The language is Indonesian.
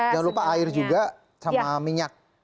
jangan lupa air juga sama minyak